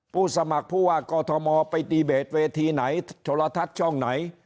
ผู้สมัครผู้ว่ากอทมไปดีเบตเวทีไหนโทรทัศน์ช่องไหน